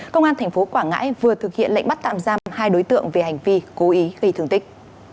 công an tp quảng ngãi vừa thực hiện lệnh bắt tạm giam hai đối tượng về hành vi cố ý gây thương tích